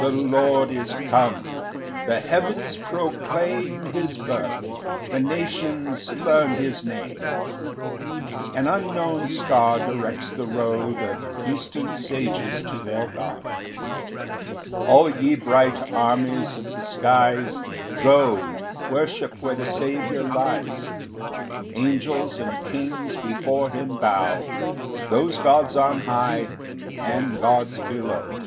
1 The Lord is come, the heavens proclaim His birth; the nations learn his Name; An unknown star directs the road Of eastern sages to their God. 2 All ye bright armies of the skies, Go, worship where the Saviour lies: Angels and kings before him bow, Those gods on high, and gods below.